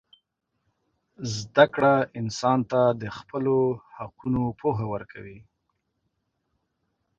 زدهکړه انسان ته د خپلو حقونو پوهه ورکوي.